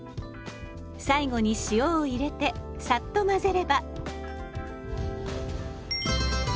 最後に塩を入れてさっと混ぜれば。